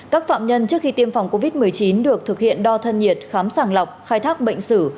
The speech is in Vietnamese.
các phạm nhân trước khi tiêm phòng covid một mươi chín được thực hiện đo thân nhiệt khám sàng lọc khai thác bệnh sử